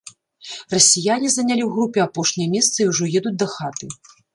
Расіяне занялі ў групе апошняе месца і ўжо едуць дахаты.